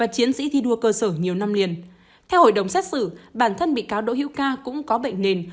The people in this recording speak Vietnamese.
theo hội đồng xét xử bản thân bị cáo đỗ hiệu ca cũng có bệnh nền